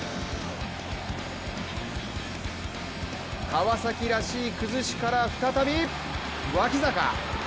川崎らしい崩しから再び脇坂！